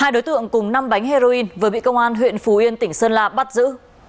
hai đối tượng cùng năm bánh heroin vừa bị công an huyện phù yên tp sơn la bắt giữ